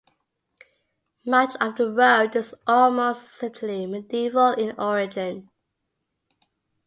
Much of the road is almost certainly medieval in origin.